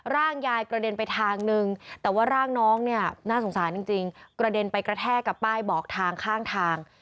ร่างยายกระเด็นไปทางนึงแต่ว่าร่างน้องเนี่ยน่าสงสารจริงกระเด็นไปกระแทกกับป้ายบอกทางข้างทาง